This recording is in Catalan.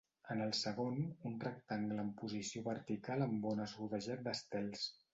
En el segon, un rectangle en posició vertical amb ones rodejat d'estels.